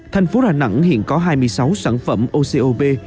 thành phố đà nẵng hiện có hai mươi sáu sản phẩm ocob